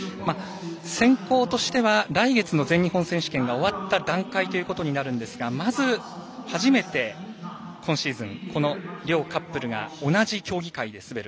選考としては来月の全日本選手権が終わった段階ということになるんですがまず初めて今シーズンこの両カップルが同じ競技会で滑る。